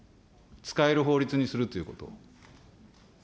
使える法律にするということ。